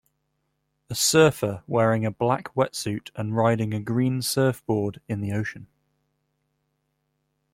A surfer wearing a black wetsuit and riding a green surfboard in the ocean.